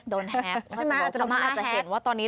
โดนแฮกใช่ไหมอาจจะโดนแฮกคำนามอาจจะเห็นว่าตอนนี้